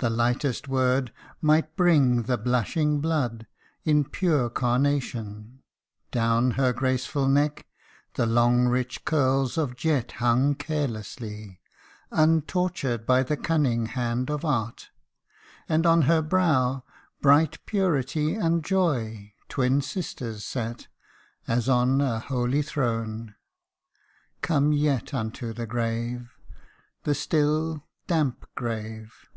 255 The lightest word might bring the blushing blood In pure carnation ; down her graceful neck, The long rich curls of jet hung carelessly, Untortured by the cunning hand of art : And on her brow, bright purity and joy, Twin sisters, sate, as on a holy throne. . Come yet unto the grave the still, damp grave